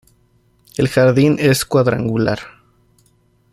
El jardín es cuadrangular.